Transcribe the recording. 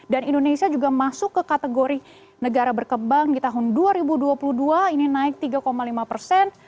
dan indonesia juga masuk ke kategori negara berkembang di tahun dua ribu dua puluh dua ini naik tiga lima persen